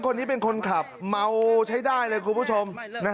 คนนี้เป็นคนขับเมาใช้ได้เลยคุณผู้ชม